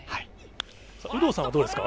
有働さんはどうですか？